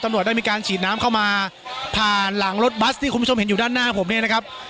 ตำรวจได้มีการฉีดน้ำเข้ามาผ่านหลังรถบัสที่คุณผู้ชมเห็นอยู่ด้านหน้าผมเนี่ยนะครับ